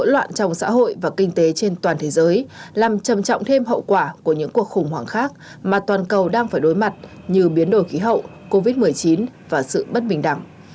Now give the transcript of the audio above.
loạn trong xã hội và kinh tế trên toàn thế giới làm trầm trọng thêm hậu quả của những cuộc khủng hoảng khác mà toàn cầu đang phải đối mặt như biến đổi khí hậu covid một mươi chín và sự bất bình đẳng